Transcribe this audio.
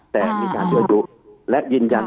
แต่คุณเห็น